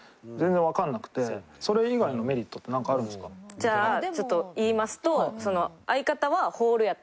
じゃあちょっと言いますと。